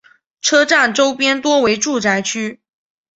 车站周边多为住宅区。